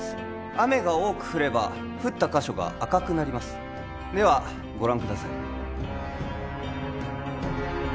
雨が多く降れば降った箇所が赤くなりますではご覧ください